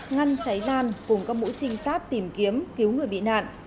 ngăn cháy lan cùng các mũi trinh sát tìm kiếm cứu người bị nạn